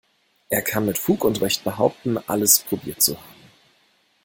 Er kann mit Fug und Recht behaupten, alles probiert zu haben.